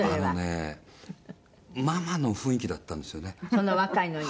そんなに若いのに？